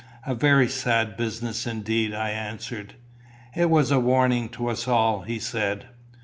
"A very sad business indeed," I answered. "It was a warning to us all," he said.